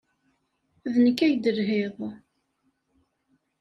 D nekk ay d-telhiḍ?